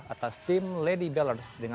atas tim lady belarga